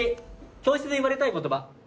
教室で言われたい言葉。